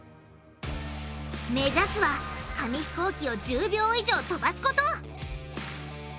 目指すは紙ひこうきを１０秒以上飛ばすこと！